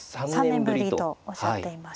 ３年ぶりとおっしゃっていましたね。